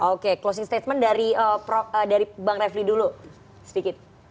oke closing statement dari bang refli dulu sedikit